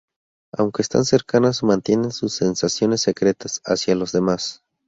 Aunque están cercanas, mantienen sus sensaciones secretas hacia los demás.